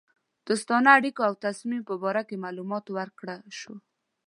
دوستانه اړېکو او تصمیم په باره کې معلومات ورکړه شوه.